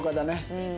うん。